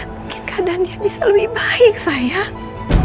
mungkin keadaannya bisa lebih baik sayang